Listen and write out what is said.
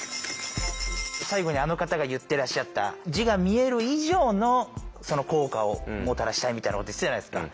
最後にあの方が言ってらっしゃった「字が見える以上の効果をもたらしたい」みたいなこと言ってたじゃないですか。